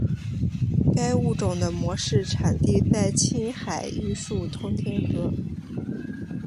该物种的模式产地在青海玉树通天河。